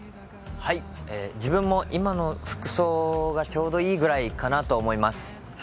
自分も今の服装がちょうどいいくらいかなと思います。